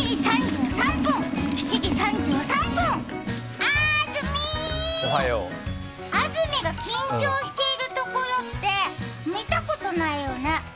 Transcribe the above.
あずみ、あずみが緊張しているところって見たことないよね。